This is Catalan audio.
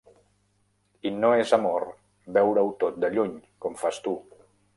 I no és amor veure-ho tot de lluny, com fas tu.